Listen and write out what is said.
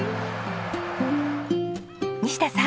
西田さん！